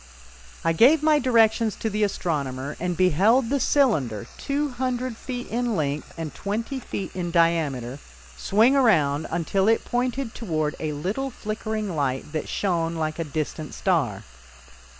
I gave my directions to the astronomer, and beheld the cylinder, two hundred feet in length and twenty feet in diameter, swing around until it pointed toward a little flickering light that shone like a distant star.